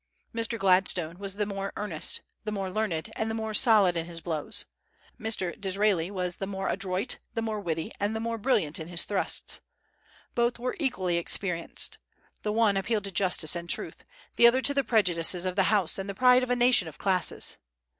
Mr. Gladstone was the more earnest, the more learned, and the more solid in his blows. Mr. Disraeli was the more adroit, the more witty, and the more brilliant in his thrusts. Both were equally experienced. The one appealed to justice and truth; the other to the prejudices of the House and the pride of a nation of classes.